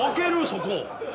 そこ。